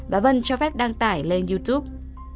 và vân cho phép đăng tải lên youtube